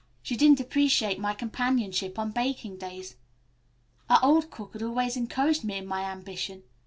She didn't appreciate my companionship on baking days. Our old cook had always encouraged me in my ambition.